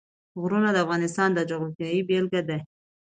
غرونه د افغانستان د جغرافیې بېلګه ده.